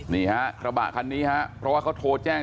นี่ฮะกระบะคันนี้ฮะเพราะว่าเขาโทรแจ้ง